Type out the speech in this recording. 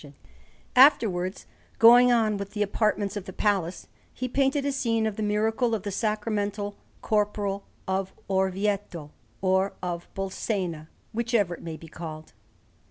Rome: The Vatican_) Anderson] Afterwards, going on with the apartments of the Palace, he painted a scene of the Miracle of the Sacramental Corporal of Orvieto, or of Bolsena, whichever it may be called.